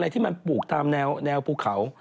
ในที่มันปลูกทำแนวภูเขา